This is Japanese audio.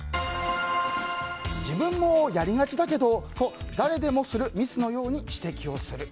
自分もやりがちだけどと誰でもするミスのように指摘をする。